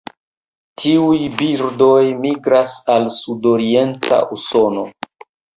Tiuj birdoj migras al sudorienta Usono.